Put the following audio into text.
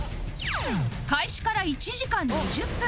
開始から１時間２０分